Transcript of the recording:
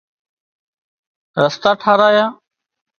رستا ٽاهرايا